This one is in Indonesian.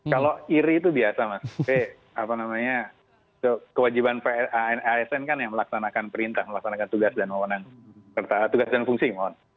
kalau iri itu biasa kewajiban asn kan yang melaksanakan perintah melaksanakan tugas dan fungsi